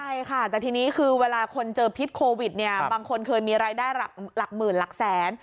ใช่ค่ะแต่ทีนี้คือเวลาคนเจอพิษโควิดเนี่ยบางคนเคยมีรายได้หลักหมื่นหลักแสน